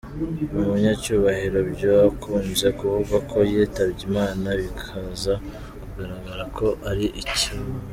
Uyu munyacyubahiro byakunze kuvugwa ko yitabye Imana, bikaza kugaragara ko ari ikinyoma.